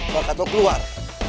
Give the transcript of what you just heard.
bakat lo keluar